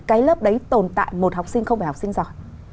cái lớp đấy tồn tại một học sinh không phải học sinh giỏi